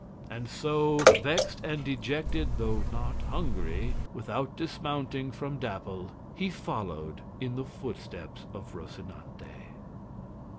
And so, vexed and dejected though not hungry, without dismounting from Dapple he followed in the footsteps of Rocinante.